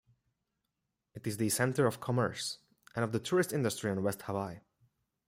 It is the center of commerce and of the tourist industry on West Hawaii.